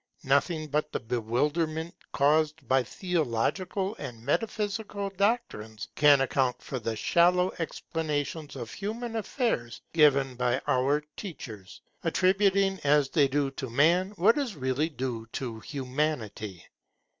Nothing but the bewilderment caused by theological and metaphysical doctrines can account for the shallow explanations of human affairs given by our teachers, attributing as they do to Man what is really due to Humanity.